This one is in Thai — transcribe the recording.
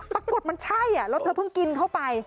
ปรากฏมันใช่แล้วเธอเพิ่งกินเข้าไป